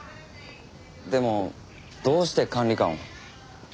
でもどうして管理官を？